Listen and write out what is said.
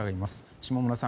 下村さん